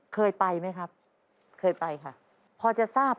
เคยไปไหมครับ